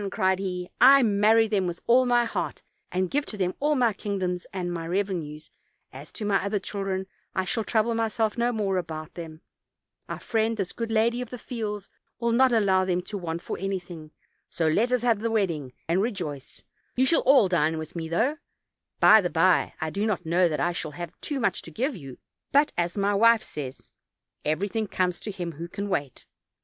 cried he, "I marry them with all my heart, and give to them all my king doms and my revenues; as to my other children, I shall trouble myself no more about them; our friend, this good lady of the fields, will not allow them to want for any thing; so let us have the wedding and rejoice; you shall all dine with me, though, by the bye, I do not know that I shall have too much to give you; but, as my wife says, 'everything comes to him who can wait.'